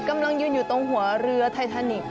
กำลังยืนอยู่ตรงหัวเรือไททานิกส